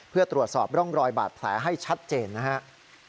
เพื่อตรวจสอบร่องรอยบาดแผลให้ชัดเจนนะครับ